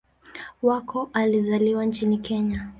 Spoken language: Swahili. Wako alizaliwa nchini Kenya.